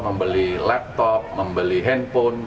membeli laptop membeli handphone